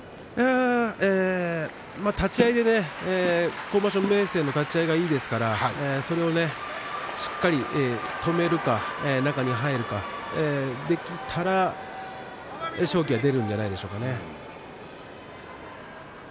立ち合いでね、今場所は明生も立ち合いがいいですからそれをしっかり取れるから中に入ることができたら勝機が出るんじゃないですかね。